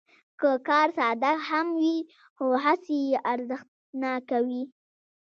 که کار ساده هم وي، خو هڅې یې ارزښتناکوي.